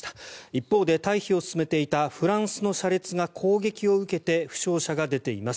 一方で退避を進めていたフランスの車列が攻撃を受けて負傷者が出ています。